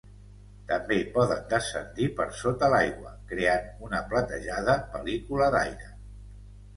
També poden descendir per sota l'aigua creant una platejada pel·lícula d'aire.